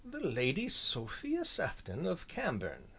"The Lady Sophia Sefton of Cambourne!"